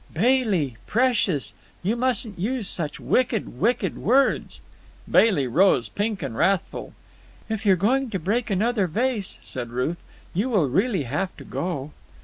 "Bailey precious! You mustn't use such wicked, wicked words." Bailey rose, pink and wrathful. "If you're going to break another vase," said Ruth, "you will really have to go."